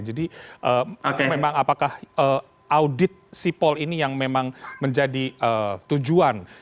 jadi memang apakah audit sipol ini yang memang menjadi tujuan